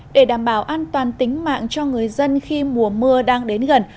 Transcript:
để đảm bảo an toàn tính mạng cho người dân khi mùa mưa đang đến gần